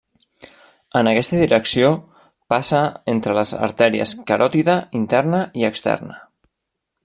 En aquesta direcció passa entre les artèries caròtide interna i externa.